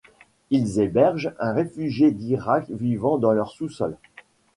Ils hébergent un réfugié d'Irak vivant dans leur sous-sol.